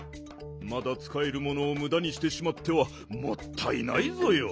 まだつかえるものをむだにしてしまってはもったいないぞよ。